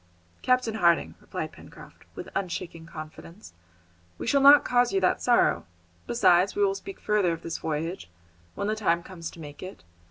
"Captain Harding," replied Pencroft, with unshaken confidence, "we shall not cause you that sorrow. Besides, we will speak further of this voyage, when the time comes to make it.